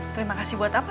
terima kasih buat apa